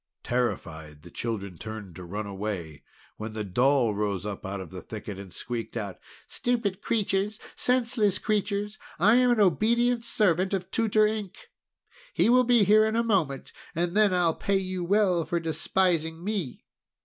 Terrified, the children turned to run away, when the doll rose up out of the thicket, and squeaked out: "Stupid creatures! Senseless creatures! I am an obedient servant of Tutor Ink! He will be here in a moment, and then I'll pay you well for despising me!"